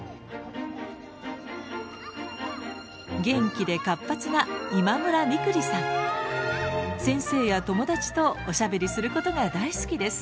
元気で活発な先生や友達とおしゃべりすることが大好きです。